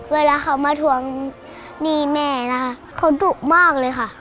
เวลาเขามาทวงหนี้แม่นะคะเขาดุมากเลยค่ะ